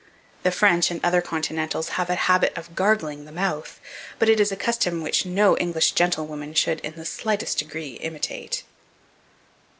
The French and other continentals have a habit of gargling the mouth; but it is a custom which no English gentlewoman should, in the slightest degree, imitate.